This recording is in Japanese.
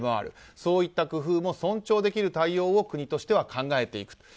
そういった工夫も尊重できる対応を国としては考えていく。